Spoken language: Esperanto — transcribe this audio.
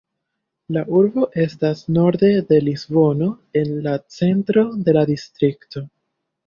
La urbo estas norde de Lisbono, en la centro de la distrikto.